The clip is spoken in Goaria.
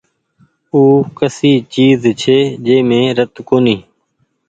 او ڪسي چئيز ڇي جي مين رت ڪونيٚ ۔